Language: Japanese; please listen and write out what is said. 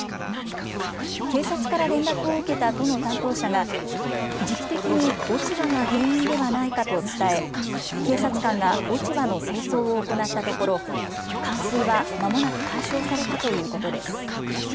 警察から連絡を受けた都の担当者が、時期的に落ち葉が原因ではないかと伝え、警察官が落ち葉の清掃を行ったところ、冠水はまもなく解消されたということです。